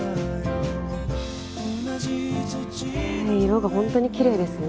色がホントにきれいですね。